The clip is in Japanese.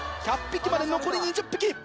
１００匹まで残り２０匹！